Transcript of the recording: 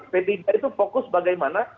p tiga itu fokus bagaimana